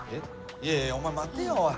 いやいやお前待てよおい。